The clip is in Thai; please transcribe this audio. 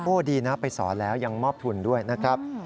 ดีนะไปสอนแล้วยังมอบทุนด้วยนะครับ